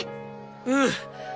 うん！